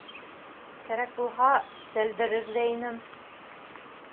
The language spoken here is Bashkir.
— Кәрәк булһа, сәлдерер ҙә инем.